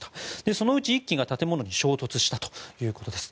そのうち１機が建物に衝突したということです。